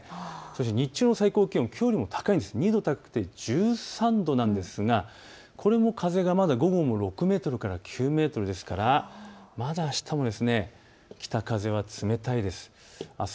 日中の最高気温、きょうよりも２度高くて１３度なんですがこれも風がまだ午後も６メートルから９メートルですからまだあしたも北風が冷たいです。